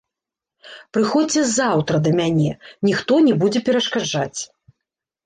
Прыходзьце заўтра да мяне, ніхто не будзе перашкаджаць.